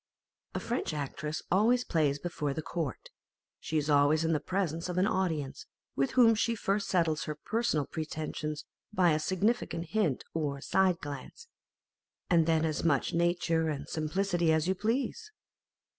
A French actress always plays before the court ; she is always in the presence of an audience, with whom she first settles her personal pretensions by a significant hint or side glance, and then as much nature and simplicity as you please.